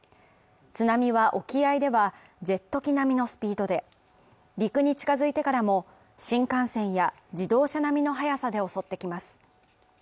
津波は沖合ではジェット機並みのスピードで陸に近づいてからも、新幹線や自動車並みの速さで襲ってきます